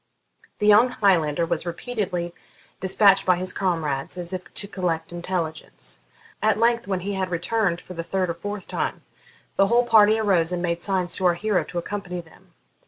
The young Highlander was repeatedly despatched by his comrades as if to collect intelligence. At length, when he had returned for the third or fourth time, the whole party arose and made signs to our hero to accompany them.